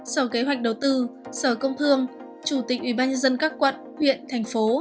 sở kế hoạch đầu tư sở công thương chủ tịch ubnd các quận huyện thành phố